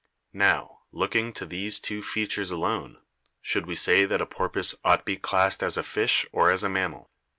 Now, looking to these two features alone, should we say that a porpoise ought to be classed as a fish or as a mammal?